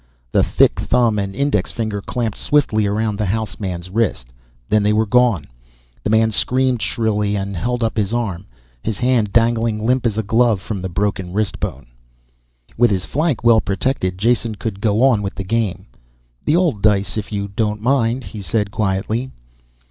The thick thumb and index finger clamped swiftly around the house man's wrist, then they were gone. The man screamed shrilly and held up his arm, his hand dangling limp as a glove from the broken wrist bones. With his flank well protected, Jason could go on with the game. "The old dice if you don't mind," he said quietly.